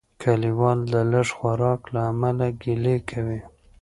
کلیوال د لږ خوراک له امله ګیلې کوي.